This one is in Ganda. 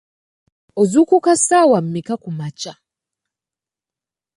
Ozuukuka ku ssaawa mmeka kumakya?